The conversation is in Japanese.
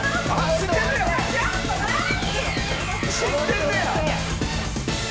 知ってんねや！